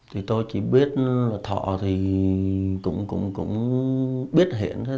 thì tôi chỉ biết là thọ thì cũng biết hiển hết